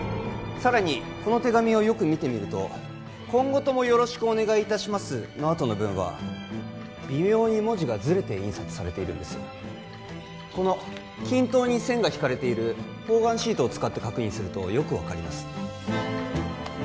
さらにこの手紙をよく見てみると「今後とも宜しくお願い致します」のあとの文は微妙に文字がずれて印刷されているんですこの均等に線が引かれている方眼シートを使って確認するとよく分かります